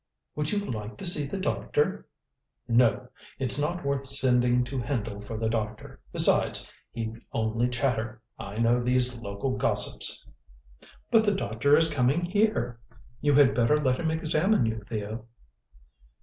"Would you like to see the doctor?" "No. It's not worth sending to Hendle for the doctor. Besides, he'd only chatter. I know these local gossips." "But the doctor is coming here. You had better let him examine you, Theo."